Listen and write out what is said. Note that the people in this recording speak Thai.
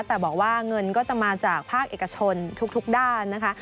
แต่บอกว่าเงินก็จะมาจากภาคเอกชนทุกด้านนะคะ